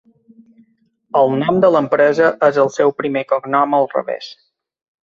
El nom de l'empresa és el seu primer cognom al revés.